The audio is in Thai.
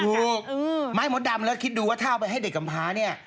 ถูกไม้มดดำแล้วคิดดูว่าถ้าเอาไปให้เด็กกำพ้าเนี่ย